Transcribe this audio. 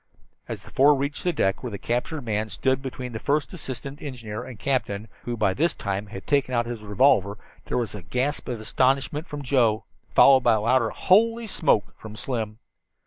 As the four reached the deck where the captured man stood between the first assistant engineer and the captain, who had by this time taken out his revolver, there was a gasp of astonishment from Joe, followed by a louder "Holy smoke!" from Slim.